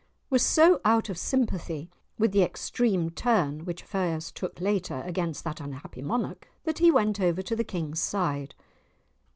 was so out of sympathy with the extreme turn which affairs took later against that unhappy monarch that he went over to the King's side.